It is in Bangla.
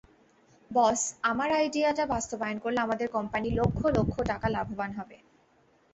বস আমার আইডিয়াটা বাস্তবায়ন করলে আমাদের কোম্পানি লক্ষ লক্ষ টাকা লাভবান হবে।